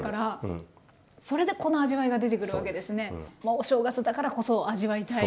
お正月だからこそ味わいたい。